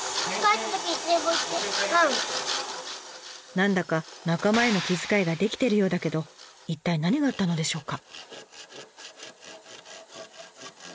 何だか仲間への気遣いができてるようだけど一体何があったのでしょうか？